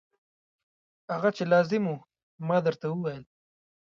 هغه چې لازم و ما درته وویل.